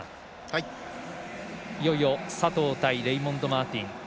いよいよ、佐藤対レイモンド・マーティン。